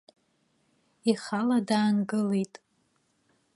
Ихала даангылеит.